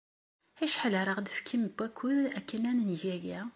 Acḥal ara aɣ-d-tefkem n wakud akken ad neg aya?